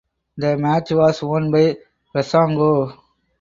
The match was won by Breezango.